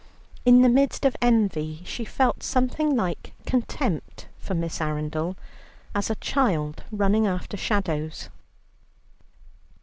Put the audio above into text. In the midst of envy, she felt something like contempt for Miss Arundel as a child running after shadows.